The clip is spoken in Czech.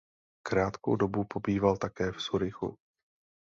Krátkou dobu pobýval také v Curychu.